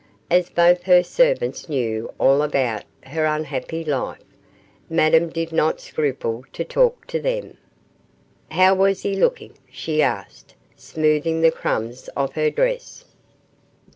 As both her servants knew all about her unhappy life, Madame did not scruple to talk to them. 'How was he looking?' she asked, smoothing the crumbs off her dress.